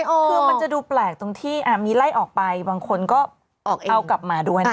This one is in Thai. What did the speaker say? คือมันจะดูแปลกตรงที่มีไล่ออกไปบางคนก็เอากลับมาด้วยนะคะ